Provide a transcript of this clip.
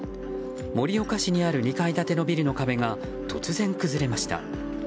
盛岡市にある２階建てのビルの壁が突然、崩れました。